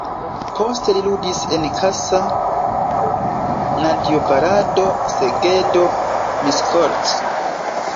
Poste li ludis en Kassa, Nadjvarado, Segedo, Miskolc.